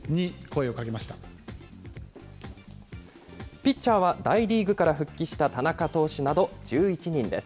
ピッチャーは大リーグから復帰した田中投手など１１人です。